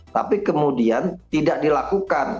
tapi kemudian tidak dilakukan